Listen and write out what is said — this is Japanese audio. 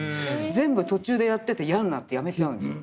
全部途中でやってて嫌になってやめちゃうんですよ。